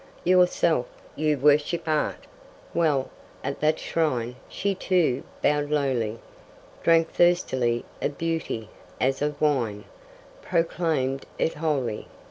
Yourself you worship art! Well, at that shrine She too bowed lowly, Drank thirstily of beauty, as of wine, Proclaimed it holy.